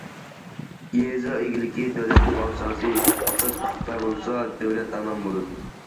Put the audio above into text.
يېزا ئىگىلىكى دۆلەتنىڭ ئاساسى، ئاساس پۇختا بولسا، دۆلەت ئامان بولىدۇ.